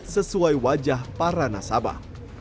sesuai wajah para nasabah